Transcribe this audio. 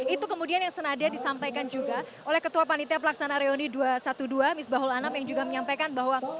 itu kemudian yang senada disampaikan juga oleh ketua panitia pelaksana reuni dua ratus dua belas misbahul anam yang juga menyampaikan bahwa